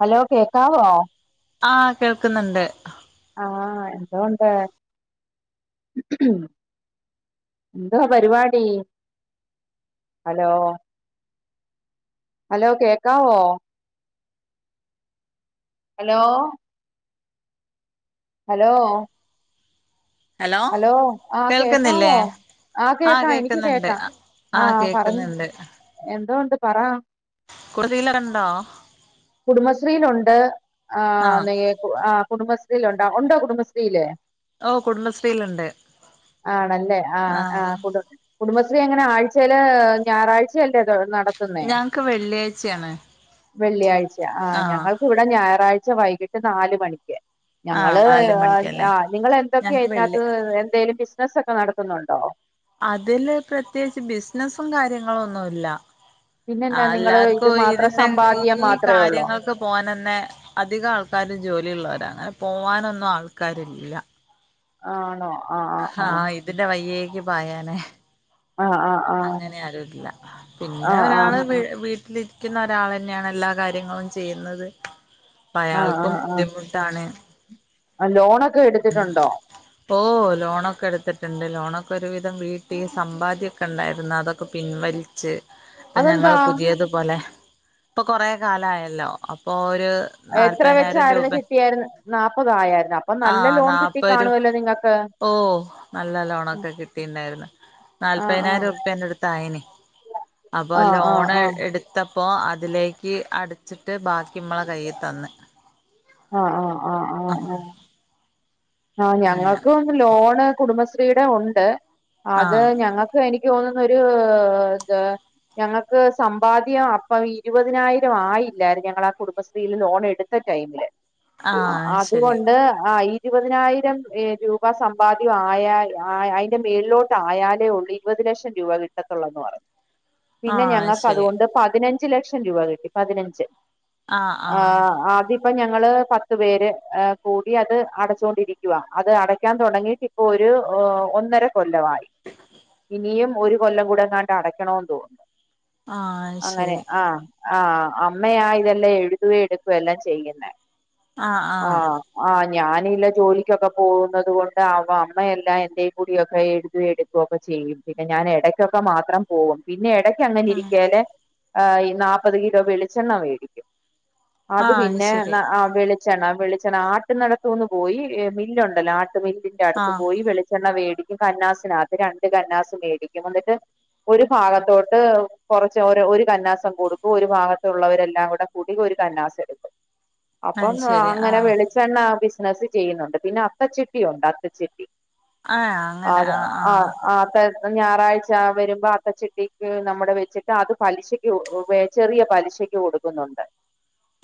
Hello കേക്കാവോ ആഹ് കേൾക്കുന്നുണ്ട് ആഹ് എന്തോണ്ട് എന്തുവാ പരിപാടി ഹലോ ഹലോ കേക്കാവോ ഹലോ ഹലോ- ഹലോ ആ കേൾക്കുന്നില്ലേ കേക്കാവോ ആഹ് കേക്കാം എനിക്ക് കേക്കാം ആഹ് ആഹ പറഞ്ഞാ കേക്കുന്നുണ്ട് എന്തോയുണ്ട് പറ കുടതിയിലണ്ടാ [inaudible] കുടുംബശ്രീയിലുണ്ട് ആഹ് ആ- കുടുംബശ്രീൽ ഉണ്ടോ ഉണ്ടോ കുടുംബശ്രീയില് ഓ കുടുംബശ്രീയിലുണ്ട് ആണല്ലേ ആ ആഹ് ആ കുടു- കുടുംബശ്രീ എങ്ങനെ ആഴ്ചൽ ഞായറാഴ്ചയല്ലേ നടത്തുന്നേ ഞങ്ങക്ക് വെള്ളിയാഴ്ചയാണ് വെള്ളിയാഴ്ച ആ ആഹ് ഞങ്ങൾക്ക് ഇവിടെ ഞായറാഴ് ച്ഞായറാഴ്ച വൈകിട്ട് നാലല് മണിക്ക് ആഹ് ഞങ്ങള് നാല് മണിക്കല്ലേ ആ നിങ്ങള്എന്തൊക്കെ ഞങ്ങക്ക് വെള്ളി അകത്ത് എന്തേലും ബിസിനസ് ഒക്കെ നടത്ത- ക്കുന്നുണ്ടോ? അതില് പ്രത്യേകിച്ച് ബിസിനസും കാര്യങ്ങളും ഒന്നുമല്ല. ആ പിന്നെന്നാ നിങ്ങള് ഇത് എല്ലാർക്കും മാത്രം ഇതിന്റെ സമ്പാദ്യം ഈ മാത്രമേ ഉള്ളോ കാര്യങ്ങൾക്ക് പോകൻ തന്നെ അധികം ആൾക്കാരും ജോലിുള്ളവരാണ് പോവാനൊന്നും ആൾക്കാരില്ല ആ ആണോ ആ ആ ആഹ് ഇതിന്റെ വയ്യേ ന്ക്ക് പായാനെ ആ ആ ആ അങ്ങനെ ആരു ഇല്ല ആ ആ പിന്നെ ഒരാള് വീട്ടില് ക്കുന്ന ഒരാളന്നെയാണ് എല്ലാ കാര്യങ്ങളും ചെയ്യുന്നത് ആ ആ പ്പയാൾക്കും ആ ബുദ്ധിമുട്ടാണ് ആ ലോണ് ഓ ലോണൊക്കെ എടുത്തിട്ടിണ്ട് ലോണ് ക്കൊരുവിധം വീട്ടി സമ്പാദ്യൊക്കെ ഒണ്ടായിരുന്നു അതൊക്കെ പിൻവലിച്ച് ഇപ്പൊ അതെന്താ ഞങ്ങള് പുതിയതു പോലെ ഇപ്പൊ കൊറ കാലയല്ലോ അപ്പൊ ഒരു എത്ര നാല്പതിനായിരം വെച്ചായിരുന്നു രൂപ കിട്ടിയാര്ന്ന് നാപ്പതായരുന്നു അപ്പം ആഹ് നാപ്പൊരു ഓ നല്ല ലോണൊക്കെ കിട്ടിണ്ടായിരുന്നു. ആ ആ നാൽപ്പനായിരം റുപ്യന്റെ അടുത്തായിന് അപ്പൊ ആ ആ ലോൺ ആ എടുത്ത അപ്പോ അതിലേക്ക് അടച്ചിട്ട് ബാക്കിമ്മളെ കൈയി തന്ന് ആഹ് ആ ആഹ് ആഹ് അങ്ങനെ ഞങ്ങക്കും ലോണ് കുടുംബശ്രീടെ ഒണ്ട് അത് ആഹ് ഞങ്ങക്ക് എനി നിക്ക് തോന്നുന്നൊരു ഇഹ് ഞങ്ങക്ക് സമ്പാദ്യം അപ്പം ഇരുപതിനായിരം ആയില്ലായിരുന്നു ഞങ്ങള ആ കുടുംബശ്രീയില് ലോൺ എടുത്ത ടൈമില് ആഹ് ആ ശരി അതുകൊണ്ട് ആഹ് ഇ ഇരുപതിനായിരം ഏഹ് രൂപ സമ്പാദ്യം ആയാൽ അയിന്റെ മേളിലോട്ട് ആയാലേ ഒള്ളൂ ഇരുപത് ലക്ഷം രൂപ കിട്ടത്തോള്ളന്ന് പറഞ്ഞു പിന്നെ ആഹ് ശരി ഞങ്ങക്കതുകൊണ്ട് പതിനഞ്ച് ഞ്ച് ലക്ഷം രൂപ കിട്ടി പതിനഞ്ച് ആഹ് ആദ്യം അപ്പ ഞങ്ങള് പത്ത് പേര് ഏഹ് കൂടി അത് അടച്ച് ച്ചോണ്ടിരിക്കുവാ അത് അടക്കാൻ തൊടങ്ങിയിട്ട് ഇപ്പോ ഒരു ഏഹ് ഒന്നര കൊല്ലവായി [inaudible] ഇനിയും ഒരു കൊല്ലം കൂടെ എങ്ങാണ്ട് അടക്കണോന്ന് തോന്നുന്നു ആഹ് അങ്ങനെ ശരി ആഹ് ആഹ് അമ്മയാ ഇതെല്ലാം എഴുതുകേം എടുക്കേം എല്ലാം ചെയ്യുന്നേ ആഹ് ആഹ് ഞാനില്ല ജോലിക്കൊക്കെ പോകുന്നത് കൊണ്ട് ആവാം അമ്മെല്ലാം എന്റെ കൂടിയൊക്കെ എഴുതേം എടുക്കുവോക്കെ ചെയ്യും പിന്നെ ഞാൻ എടയ്ക്കൊക്കെ മാത്രം പോവും പിന്നെ എട ഇജ് അങ്ങനെ ഉം ഇരിക്കേലെ ആ ഈ നാപ്പത് കിലോ വെളിച്ചെണ്ണ മേടിക്കും അത് ആഹ് പിന്നെ ശരി ആ വേളി [unintelligible] വളിച്ചെണ്ണ വെളിച്ചെണ്ണ ആട്ടുന്നടത്തുന്നു പോയി മില്ലുണ്ടല്ലോ [unintelligible] [unintelligible] അടുത്ത് ആഹ് പോയി വെളിച്ചെണ്ണ വേ [unintelligible] കന്നാസിനകത്ത് രണ്ട് കന്നാസ് മേടിക്കും എന്നിട്ട് ഒരു ഭാഗത്തോട്ട് കുറച്ച് ഓരോ ഒരു കന്നാസ് കൊടുക്കും ഒരു ഭാഗത്തള്ളവരെല്ലാം കൂടെ കൂടി ഒരു കന്നാസ് എടുക്കും അത് അപ്പം ശരി അങ്ങനെ ആഹ് വെളിച്ചെണ്ണ വി [unintelligible] ചെയ്യുന്നുണ്ട് പിന്നെ അത്തച്ചിട്ടിയുണ്ട് അത്തച്ചിട്ടി അതെ ആഹ് ആഹ് [unintelligible] ഞായറാഴ്ച വരുമ്പോ അത്ത ചിട്ടിക്ക് നമ്മുടെ വെച്ചിട്ട് അത് പലിശക്ക് ചെറിയ പലിശയ്ക്ക് കൊടുക്കുന്നുണ്ട്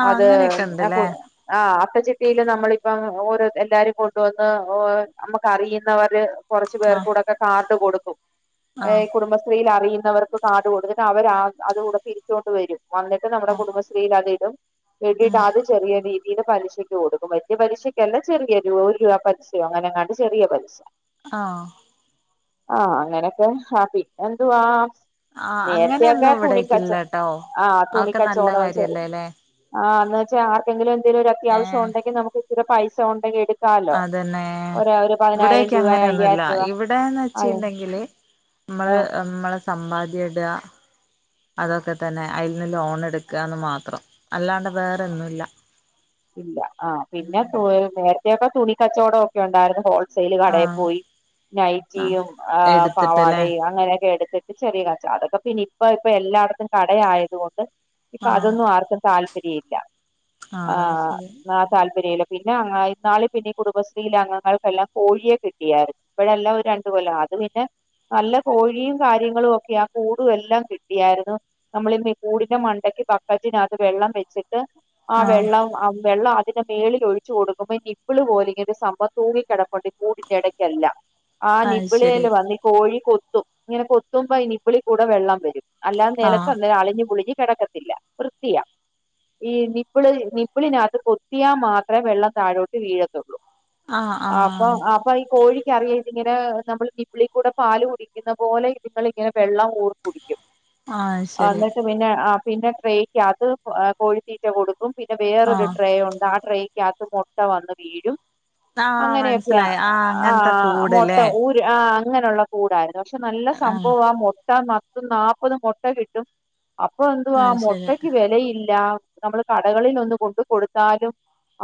ആഹ് അത് അങ്ങനെയൊക്കെ ഉണ്ടല്ലേ ആഹ് അത്തചിട്ടയിൽ നമ്മള ഇപ്പം ഓരോ എല്ലാരും കൊണ്ടുവന്ന് നമ്മുക്ക് അറിയുന്നവര് കുറച്ച് ആഹ് പേർക്കൂടൊക്കെ കാർഡ് കൊടുക്കും ആഹ് ഏഹ് കുടുംബശ്രീയിൽ അറിയുന്നവർക്ക് കാർഡ് കൊടുത്തിട്ട് അവർ അത കൂടെ പിരിച്ചുണ്ട് വരും വന്നിട്ട് നമ്മുടെ ആഹ് കുടുംബശ്രീയിലതിടും കിട്ടിട്ട് ഉം അത് ചെറിയ രീ ഇത് പലിശക്ക് കൊടുക്കും വ പലിശക്ക്ക്കല്ല ചെറിയ ഒ രു രൂപ പലിശയോ അങ്ങനെങ്ങാണ്ട് ചെറിയ പലിശ ആ ആ അങ്ങനെക്കെ ഹാപ്പി എന്തുവാ ആഹ് അങ്ങനെയൊന്നും നേരത്തെൊക്കെ തുണിക്കച്ചോ ഇവിടേക്കില്ലട്ടോ ആ അതൊക്കെ നല്ല തുണിക്കച്ചോടവും ചെറി കാര്യല്ലേല്ലേ ആ എന്ന് വെച്ചാൽ ആർക്കെങ്കിലും എന്തെങ്കിലും ഒരു അത്യാവശ്യം ഏഹ് ഉണ്ടെങ്കിൽ നമുക്ക് പിന്നെ പൈസ ഉണ്ടെങ്കി എടു അതന്നെ ഇവിടെക്കെ രൂപ അങ്ങനെയൊന്നുമല്ല അയ്യായിരം രൂപ ഇവിടെന്ന് ആയോ വെച്ചിട്ടുണ്ടെങ്കില് നമ്മള് ആഹ് നമ്മള് സമ്പാദ്യം ഇടുക അതൊക്കെ തന്നെ അതിൽ നിന്ന് ലോൺ എടുക്കുകന്ന് മാത്രം അല്ലാണ്ട് വേറൊന്നുല ഇല്ല ആ പിന്നെ [unintelligible] ക്കെ തുണിക്കച്ചവടം ഒക്കെ ഉണ്ടായിരുന്നു ഹോൾ സെയിൽ കടയിൽ ആഹ് പോയി ആഹ് നൈറ്റിയും ആ എടുത്തിട്ട്ല്ലേ പാവാടയും അങ്ങനെയൊക്കെ എടുത്തിട് ചെറിയ കാച്ച അതൊക്കെ പിന്നെ ഇപ്പ ഇപ്പൊ എല്ലായിടത്തും കടയതുകൊണ്ട് ഇപ്പൊ ആഹ് അതൊന്നും ആർക്കും താല്പ പരിയില്ല ആ ആഹ് അത് ശരി ആ താല്പ പര്യം പിന്നെ ഇന്നാളെ പിന്നെ കുടബശ്രീയിലെ അംഗങ്ങൾക്കെല്ലാം കോഴിയെ കിട്ടിയായിരുന്നു ഇപ്പോഴല്ല രണ്ടു കൊല്ലം അത് പിന്നെ നല്ല കോഴിയും കാര്യങ്ങളും ഒക്കെ ആ കൂടും എല്ലാം കിട്ടിയായിരുന്നു നമ്മള് കൂടിന്റെ മണ്ടക്ക് ബക്കറ്റിനകത്ത് വെള്ളം വെച്ചിട്ട് ആഹ് വെള്ളം ആ വെള്ളം അതിന്റെ മേളിൽ ഒഴിച്ച് കൊടുക്കുമ്പോ നിബിള് പോലെ ഇങ്ങനെ ഒരു സംഭവം തൂങ്ങി കിടപ്പുണ്ട് കൂടിന്റെ ഇടക്കല്ലാം ആ അത് ശരി നിപിളില് വന്ന് ഈ കോഴി കൊത കൊത്തും ഇങ്ങനെ കൊത്തുമ്പോ ഈ നിബ്ബിളികൂടെ വെള്ളം വരും അല്ലാ ആഹ് നെലത്ത് [unintelligible] കെടക്കത്തില്ല വൃത്തിയാ ഈ നി ഇപ്പള് നിപ്പിളിനകത്ത് കൊത്തിയാൽ മാത്രമേ വെള്ളം താഴോട്ട് വീഴത്തൊള്ളൂ. ആഹ് അപ്പോ ആഹ് അപ്പ ഈ കോഴി അറിയാം ഇതിയിങ്ങനെ നമ്മള് നിബ്ബിളി കൂടെ പാല് കുടിക്കുന്ന പോലെ ഇതുങ്ങള് ഇങ്ങനെ- വെള്ളം ഊറി കുടിക്കും ആഹ് അത് ശരി എന്നിട്ട് പിന്നെ ആ - പിന്നെ ട്രേക്ക് അത് കോഴിത്തീറ്റ കൊടു പിന്നെ വേറൊരു ആഹ് ട്രേ ഒണ്ട് ആ ട്രേ [unintelligible] മൊട്ട വന്ന് വീഴും. ആഹ് അങ്ങനെയൊക്കെയ മനസ്സിലായി ആഹ് ആ അങ്ങനത്തെ മൊട്ട കൂട്ല്ലേ ഊര് ഇങ്ങനെയുള്ള കൂടായിരുന്നു. പക്ഷേ നല്ല ആഹ് സംഭവ [unintelligible] ട്ട മത്ത് നാല്പ്ത് മൊട്ട കിട്ടും. അപ്പ എന്തുവാ അത് ശരി മൊട്ടക്ക് വെലയില്ല. നമ്മള് കടകളിൽ ഒന്ന് കൊണ്ട് കൊടുത്താലും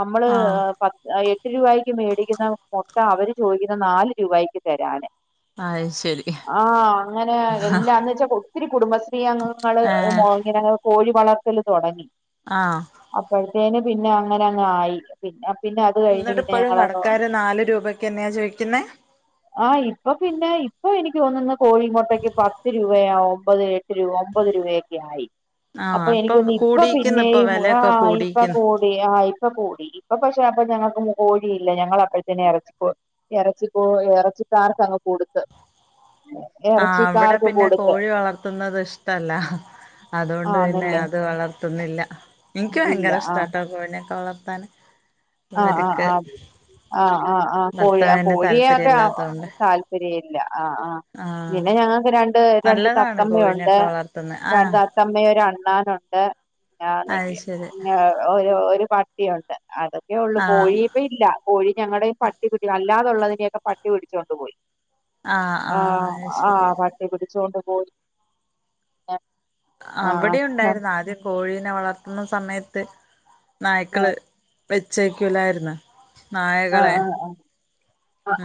നമ്മള് ആഹ് ഏ പത്ത് എ ട്ട് രൂപായ്ക്ക് മേടിക്കുന്ന മൊട്ട അവര് ചോദിക്കുന്ന നാല് രൂപായ്ക്ക് തരാന്. അത് ശരി ആഹ് അങ്ങനെ എല്ലാന്ന് വെച്ചാ കൊ ത്തിരി കുടുംബശ് ശ്രീ അംഗങ്ങള് ഏഹ് [unintelligible] കോഴി വളർത്തൽ തുടങ്ങി ആഹ് [unintelligible] പിന്നെ അങ്ങനെ അങ്ങ് ആയി പിന്നെ പിന്നെ അത് കഴിഞ്ഞ് എന്നിട്ട് പിന്നെ ഇപ്പോഴും ഞങ്ങൾ കടക്കാര് നാല് രൂപയ്ക്ക് തന്നെയാ ചോദിക്കുന്നേ ആഹ് ഇപ്പോ പിന്നെ ഇപ്പൊ എനിക്ക് തോന്നുന്ന് കോഴി മോട്ടേക്ക് പത്ത് രൂപയാ ഒമ്പത് എട്ട് രൂ ഒമ്പത് രൂപ യൊക്കെ ആയി ആഹ് അപ്പൊ എനിക്ക് വന്നി ഇപ്പം കൂടിയിരിക്കുന്നു ഇപ്പൊ പിന്നേയ് വിലയൊക്കെ ആഹ് ഇപ്പ കൂടിയിരിക്കുന്നു കൂടി ആഹ് ഇപ്പ കൂടി ഇപ്പൊ പേഷ് [unintelligible] അപ്പം ഞങ്ങൾക്കും മ് കോഴിയില്ല ഞങ്ങൾ അപ്പഴ്‌ത്തന്നെ എറച്ചികോ എറച്ചികോ എറച്ചിക്കാർക്ക് അങ്ങ് കൊടുത്ത് ആ വിടെ ഇറച്ചിക്കാർക്ക് പിന്നെ കൊടുത്ത് കോഴി വളർത്തുന്നത് ഇഷ്ട്ടല്ല അതുകൊണ്ട് പിന്നെ ആന്നല്ലേ അത് വളർത്തുന്നില്ല. ഇൻക്ക് ഇല്ല ഭയങ്കര ഇഷ്ട്ടട്ടോ കോഴിനെ ഒക്കെ വളർ ത്താൻ ആ ആ ആ ആ ആ ആ ആ കോഴി ആ ഭർത്താവിന് കോഴിയെ താല്പര്യം ഒക്കെ ആ ഇല്ലാത്തോണ്ട് താല്പര്യല്ല, ആ ആ ആഹ് പിന്നെ ഞങ്ങൾക്ക് രണ്ട് രണ്ട് നല്ലതാണ് തത്തമ്മയുണ്ട്, കോഴിനെയൊക്കെ വളർത്തുന്നെ രണ്ട് ആഹ് തത്തമ്മയെ ഒരണ്ണാൻ ഒണ്ട്. അത് [unintelligible] ശരി ഒരു ഒരു പട് ട്ടി ഒണ്ട്, അടു യെ ഒള്ളു, ആഹ് കോഴി ഇപ്പം ഇല്ല. കോഴി ഞങ്ങടെ ഈ പട്ടി കിട്ടി അല്ലാതെ ഉള്ളതിനെ ഒക്കെ പട്ടി പിടിച്ചോണ്ട് പോയി. ആഹ് ആ ആഹ് അത് ആ ശരി പട്ടി പിടിച്ചോണ്ട് പോയി ആ ആ അവിടെ ആ ഉണ്ടായിരുന്ന ആദ്യം കോഴിനെ വളർ ത്ത്ന്ന സമയത്ത് നായ്ക്കള് വെച്ചേക്കൂലായ്ര്ന്ന്. ആ ആ നായകളെ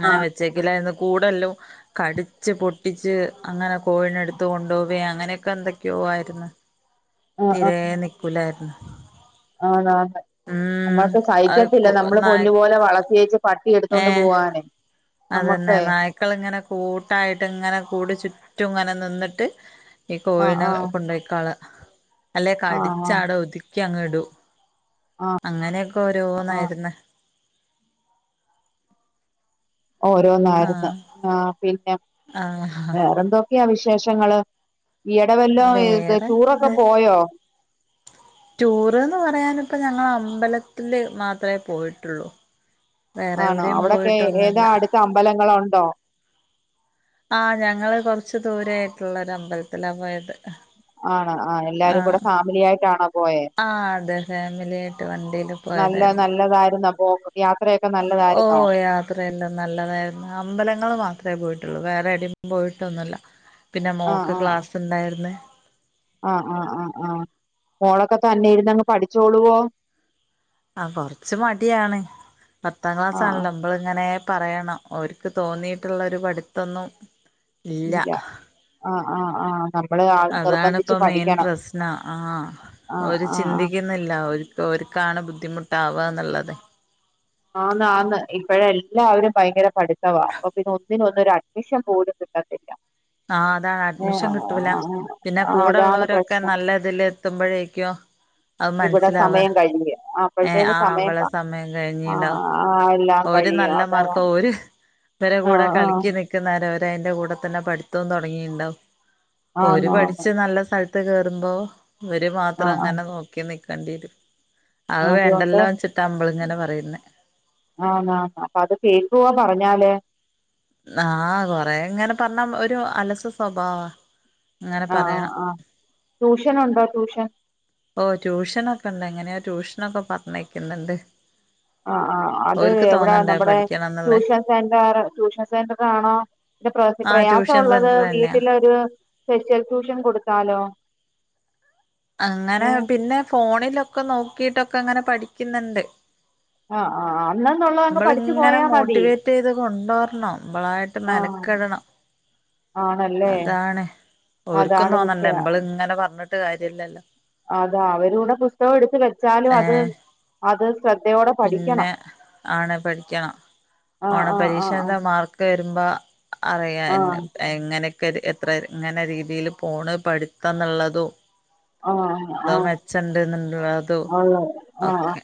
ആ വെച്ചേക്കില്ലാര്ന്ന് കൂടെല്ലും കടിച്ച് പൊട്ടിച്ച് അങ്ങന കോഴിനെടുത്ത് കൊണ്ടോവുയാ അങ്ങനെയൊക്കെ എന്തൊക്കെയോ ആയിര്ന്ന്. ആ തിരേ നിക്കൂലാ ആ ആന്നാന്ന് നമ്മൾക്ക് അത് സഹിക്കത്തില്ല കു നമ്മള് നായ പൊന്നുപോലെ വളർത്തിയേച്ച് പട്ടി ഏ എടുതോണ്ട് പോവാന് അതന്നെ നായ്ക്കളങ്ങനെ കൂട്ടായിട്ട്ങ്ങനെ കൂടെ ചുറ്റുങ്ങനെ നിന്നിട്ട് ഈ ആ കോഴിനെ ആ കൊണ്ടയ്ക്കാള അല്ലെ ആ കടിച്ചാട ഒതു ക്കെങ്ങടു ആ ആ അങ്ങനെയൊക്കെ ആ ഓരോന്നായിര്ന്ന് ഓരോന്നായിര്ന്ന് ആഹ് ആ പിന്നെ ആഹ് വേറെന്തൊക്കെയ വിഷ് ശേഷങ്ങള് ഈയെടെവെല്ലോം ഏത് വേറെ ടൂറൊക്കെ എന്താ പോയോ ടൂറ്ന്ന് പറയാനിപ്പ ഞങ്ങളമ്പലത്തില് മാത്ര പോയിട്ടുള്ളൂ വേറെ ആണോ എവിടെയും അവിടൊക്കെ ഏതാ പോയിട്ടൊന്നുല്ല അടുത്ത അമ്പലങ്ങളുണ്ടോ ആഹ് ഞങ്ങള് കൊർച്ച് ദൂരെ ആയിട്ടുള്ളൊരുമ്പലത്തിലാ പോയത് ആണ് ആ എല്ലാരും കൂടെ ആഹ് ഫാമിലി ആയിട്ടാണോ പോയേ ആഹ് അതെ ഫാമിലി ആയിട്ട് നല്ല നല്ലതാര്ന്നോ? [unintelligible] ഓ യാത്രയെല്ലാം നല്ലതായിരുന്നു അമ്പലങ്ങള് മാത്രമേ പോയി- ട്ടുള്ളു വേറെ എടേം പോയിട്ടൊന്നുല്ല- പിന്നെ മോക്ക് ക്ലാസ് ഉണ്ടായിരുന്നു- ആഹ ആഹ് ആഹ് ആഹ് മോളൊക്കെ തന്നെ ഇരുന്നങ്ങ് പഠിച്ചോളുവോ? ആ കൊറച്ച് മടിയാണ് പത്താം ക്ലാസ് ആഹ് ആഹ് ആണല്ലോ നമ്മള് ഇങ്ങനെ- പറയണം ഓര്ക്ക് തോന്നിയിട്ടുള്ള ഒരു പഠിത്തൊന്നും- ഇല്ല ആഹ്- ആഹ് ആ- നമ്മള് അതാണി നിർബന്ധിച്ച് ഇപ്പം മെയിൻ പഠിക്കണം പ്രശ്നം ആഹ് ആഹ് ഓരു ആഹ് ആഹ് ചിന്തിക്കുന്നില്ല ഒരു- ഇപ്പൊ ഓര്ക്കാണ് ബുദ്ധിമുട്ടാവുക എന്നുള്ളത് ആന്ന് ആന്ന് ഇപ്പഴ എല്ലാവരും ഭയങ്കര പഠിത്തവാ അപ്പൊ പിന്നെ ഒന്നിനൊ ഒന്നും ഒരു അഡ്മിഷൻ പോലും കിട്ടത്തില്ല- ആഹ അതാണ് അഡ്മിഷൻ ഏഹ് കിട്ടൂല പിന്നെ അതാണ് കൂടെള്ളവരൊക്കെ പ്രശ്നം നല്ല ഇതിൽ എത്തുമ്പോഴേക്കും അത് ഇവിടെ മനസ്സിലാവാ സമയം കഴിഞ്ഞു ഏഹ് അപ്പഴ്ത്തേന് ആഹ് സമയം ആ ആഹ് - ഒരു നല്ല മാർക്കം ഓരു വരെ കൂടെ ആഹ് ആഹ് കളിക്ക നിൽക്കുന്നവര അതിന്റെ കൂടെ തന്നെ പഠിത്തവും തുടങ്ങിയിണ്ടാവും ഓര് ആന്ന് ആന്ന് പട്ച്ച് നല്ല സ്ഥല ത്തെ കേറുമ്പോ ഓര് മാത്രം ആഹ് ആഹ് അങ്ങനെ നോക്കി നിക്ക് ണ്ടിയെരും. അ അതുകൊണ്ട് വേണ്ടല്ലോ വച്ചിട്ടാ നമ്മളിങ്ങനെ പറയുന്നേ ആന്ന് ആന്ന് അപ്പൊ അത് കേൾക്കുവോ പറഞ്ഞാല് ആ കൊറേ ഇങ്ങനെ പറഞ്ഞ ഒരു അലസ സ്വഭാവാ അങ്ങനെ ആഹ് ആഹ് പറയണം ആഹ് ട്യൂഷനുണ്ടോ ട്യൂഷൻ. ഓ ട്യൂഷനൊക്കെ ഇണ്ട്. എങ്ങനെയോ ട്യൂഷ്നൊക്കെ പറഞ്ഞയിക്ക്ന്ന്ണ്ട്. ആ ആ അത് എവ്ടാ നമ്മുടെ പഠിക്കണംന്നുള്ളേ ട്യൂഷൻ സെന്റർ ട്യൂഷൻ സെന്റർ ആണോ? കൊർച് ആഹ് പ്രയാസം ഒ ട്യൂഷൻ ള്ളത് സെന്റർ തന്നെയാ വീട്ടിലൊരു സ്പെഷ്യൽ ട്യൂഷൻ കൊടു ത്താലോ? അങ്ങനെ പിന്നെ ഫോണിലൊക്കെ നോ നോക്കീട്ടൊക്കെ അങ്ങനെ പഠിക്ക് ന്ന്ണ്ട്. ആ ആ ആ. നമ്മളിങ്ങനെ മോട്ടിവേറ്റ് ചെയ്ത് കൊണ്ടുവരണം നമ്മളായിട്ട് ആഹ് മെനക്കെടണം ആണല്ലേ അതാണ് ഓര്ക്കും അതാണ് തോന്നണ്ടേ വിഷയം നമ്മളിങ്ങനെ പറഞ്ഞിട്ട് ട്ട് കാര്യല്ലല്ലോ അതാ അവരൂടെ പുസ്തകം എടുത്ത് വെച്ചാലും ഏ അത് അത് ശ്രദ്ധ പിന്നെ ആണ് പഠിക്കണം ആഹ് ഓണ ആഹ് ആഹ് പരീക്ഷേന്റെ മാർക്ക് വരുമ്പോ അറിയാം ന്ന് ആഹ് എങ്ങനെ എത്ര ഇങ്ങനെ രീതിയില് പോണ് പഠിത്തം എന്നുള്ളതും ആഹ് എന്തോ ആഹ് മെച്ചണ്ട് എന്നുള്ളതോ ഓക്കെ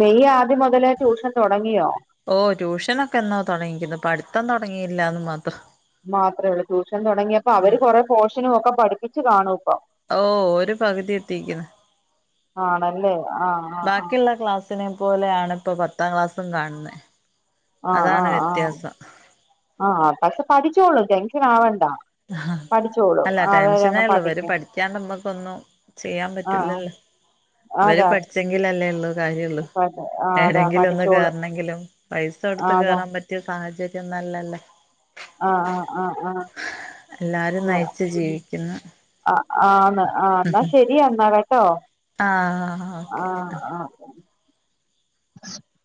മെയ് ആദ്യം മുതലേ ട്യൂഷൻ തുടങ്ങിയോ? ഓ ട്യൂഷനൊക്കെ എന്നോ തുടങ്ങിരിക്കുന്നു പഠിത്തം തൊടങ്ങിയില്ലാന്ന് മാത്രം. മാത്രേ ഉള്ളൂ ട്യൂഷൻ തുടങ്ങിയപ്പോ അവര് ഉം കൊറേ പോർഷനും ഒക്കെ പഠിപ്പി [unintelligible] കാണോ. ഓ ഒരു പകുതി എത്തിക്കുന്നു ആണല്ലേ ആഹ് ആഹ് ബാക്കിയുള്ള ക്ലാസ്സ് എട്ടിനെ പോലെയാണ് ഇപ്പോ പത്താം ക്ലാസ്സും കാണുന്നേ ആഹ് ആഹ് ആഹ് ആഹ് പക്ഷെ പഠിച്ചോളും. ജംഗ്ഷൻ ആവണ്ട. ആഹ് പഠിച്ചോളും അല്ല ടെൻഷനേ അവരങ്ങ് ഉള്ളൂ ഇവര് പഠിക്കും പഠിക്കാണ്ട് നമ്മുക്കൊന്നും ചെയ്യാൻ ആഹ് പറ്റൂല്ലല്ലോ ഇവര് അതാ പഠിച്ചെങ്കിലല്ലേ ഉള്ളൂ. കാര്യയുള്ളു ആഹ് അതാ ഏതെങ്കിലും ഒന്ന് പഠിച്ചോളും കേറണെങ്കിലും പൈസ കൊടുത്ത് ആഹ് അതാ കേറാൻ പറ്റിയ സാഹചര്യം. നല്ലല്ലേ? ആഹ് ആഹ് ആഹ് ആഹ്. എല്ലാരും അതാ നയിച്ചു ജീവിക്കുന്നു. ആഹ് ആന്ന്. ആഹ് എന്നാ ശരിയാ എന്നാ കേട്ടോ ആഹ് ഓക്കെ ആഹ് ആഹ്. [unintelligible]